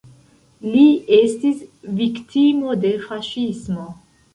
Li estis viktimo de faŝismo.